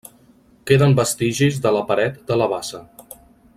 Queden vestigis de la paret de la bassa.